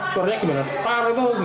suaranya gimana tar apa